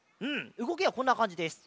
うごきはこんなかんじです。